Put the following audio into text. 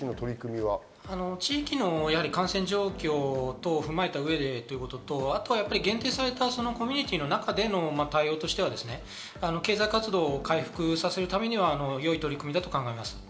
地域の感染状況等を踏まえた上でということと、限定されたコミュニティでの対応としては経済活動を回復させるためには良い取り組みだと考えます。